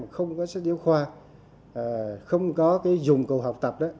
không có sách giáo khoa không có dụng cụ học tập đó